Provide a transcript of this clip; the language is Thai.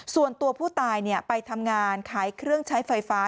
ส่วนตัวผู้ตายไปทำงานขายเครื่องใช้ไฟฟ้า